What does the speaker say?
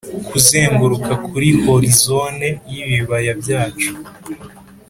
kuzenguruka kuri horizone y'ibibaya byacu.